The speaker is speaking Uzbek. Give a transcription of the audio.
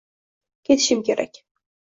Ketishim kerak.